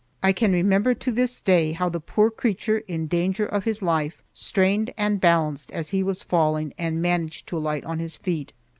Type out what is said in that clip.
I can remember to this day how the poor creature in danger of his life strained and balanced as he was falling and managed to alight on his feet.